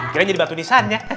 kirain jadi batu nisan ya